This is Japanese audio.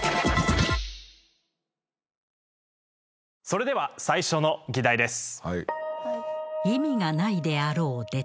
それでは最初の議題です。